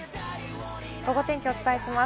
ゴゴ天気をお伝えします。